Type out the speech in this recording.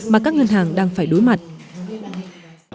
mà các ngân hàng đang phải đối mặt với nó